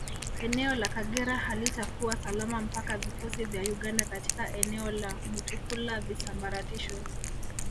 Eneo la Kagera halitakuwa salama mpaka vikosi vya Uganda katika eneo la Mutukula visambaratishwe